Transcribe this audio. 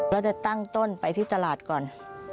เราจะตั้งต้นไปที่ตลาดก่อน